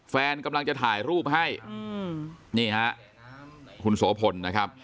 แฟนกำลังจะถ่ายรูปให้นี่ค่ะคุณโสพล